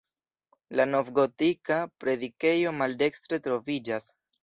La novgotika predikejo maldekstre troviĝas.